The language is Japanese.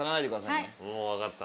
もう分かった。